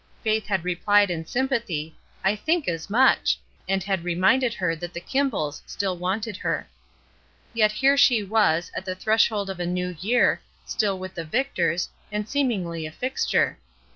Faith had replied in sympathy, "I think as LOVE 251 much !" and had reminded her that the Kun balls still wanted her. Yet here she was, at the threshold of a new year, still with the Victors, and seemingly a fixture.